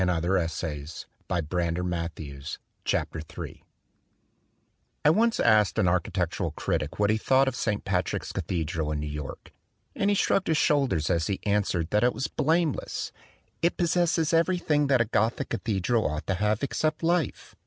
39 Ill THE DWELLING OF A DAY DREAM Ill THE DWELLING OF A DAY DREAM I ONCE asked an architectural critic what he thought of St. Patrick's cathedral in New York; and he shrugged his shoulders as he an swered that it was blameless. "It possesses everything that a Gothic cathedral ought to have except life